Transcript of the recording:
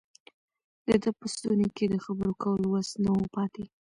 د ده په ستوني کې د خبرو کولو وس نه و پاتې.